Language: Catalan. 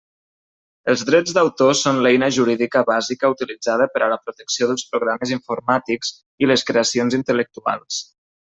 Els drets d'autor són l'eina jurídica bàsica utilitzada per a la protecció dels programes informàtics i les creacions intel·lectuals.